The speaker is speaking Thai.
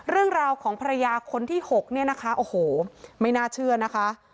เรื่องราวของภรรยาคนที่๖เนี่ยนะคะโอ้โหไม่น่าเชื่อนะคะ